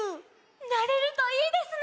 なれるといいですね！